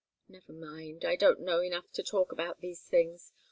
Never mind I don't know enough to talk about these things.